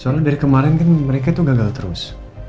soalnya dari kemarin kan mereka itu gagal terus